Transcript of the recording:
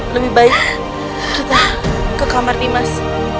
lebih baik kita ke kamar dimas